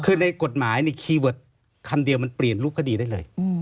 คือในกฎหมายคีย์เวิร์ดคำเดียวมันเปลี่ยนรูปคดีได้เลย